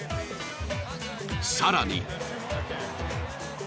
［さらに］